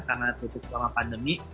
karena tutup selama pandemi